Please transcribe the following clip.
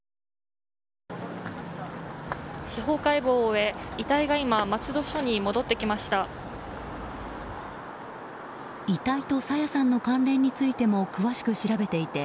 司法解剖を終え、遺体が今松戸署に戻ってきました。